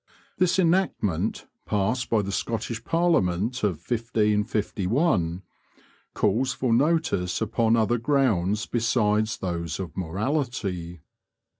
This enactment, passed by the Scottish parliament of 1551, calls for notice upon other grounds besides those of morality.